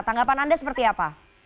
tanggapan anda seperti apa